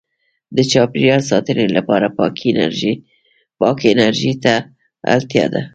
• د چاپېریال ساتنې لپاره پاکې انرژۍ ته اړتیا ده.